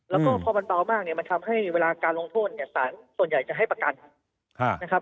แล้วก็พอมันเบามากเนี่ยมันทำให้เวลาการลงโทษเนี่ยสารส่วนใหญ่จะให้ประกันนะครับ